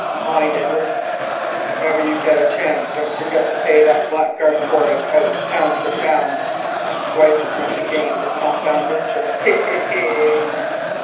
Mind, Edward, if ever you get a chance don't forget to pay that blackguard Quaritch out pound for pound, and twice as much again for compound interest—hee! hee! hee!"